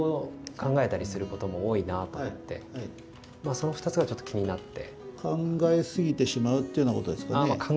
その２つがちょっと気になって。